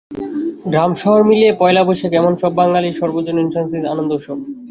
গ্রাম শহর মিলিয়ে পয়লা বৈশাখ এখন সব বাঙালির সর্বজনীন সাংস্কৃতিক আনন্দ উৎসব।